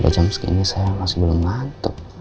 udah jam segini saya masih belum ngantuk